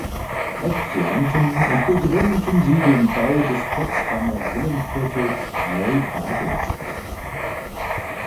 Auch planten und begründeten sie den Bau des Potsdamer Villenviertels Neubabelsberg.